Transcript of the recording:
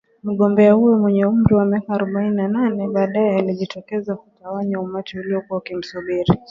Mgombea huyo mwenye umri wa miaka arobaini na nane, baadae alijitokeza kutawanya umati uliokuwa ukimsubiri